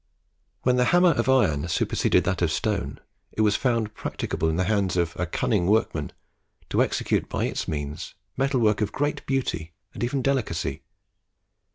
When the hammer of iron superseded that of stone, it was found practicable in the hands of a "cunning" workman to execute by its means metal work of great beauty and even delicacy.